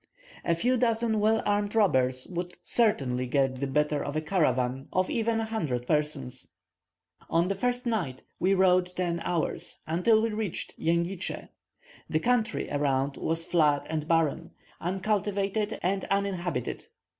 A few dozen well armed robbers would certainly get the better of a caravan of even a hundred persons. On the first night we rode ten hours, until we reached Jengitsche. The country around was flat and barren, uncultivated and uninhabited.